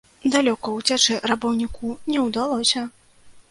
Далёка ўцячы рабаўніку не ўдалося.